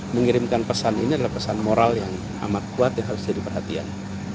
mengirimkan pesan ini adalah pesan moral yang amat kuat yang harus jadi perhatian